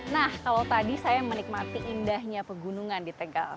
nah kalau tadi saya menikmati indahnya pegunungan di tegal